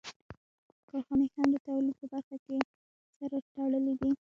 کارخانې هم د تولید په برخه کې سره تړلې دي